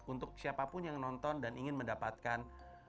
untuk siapapun yang nonton dan ingin mendapatkan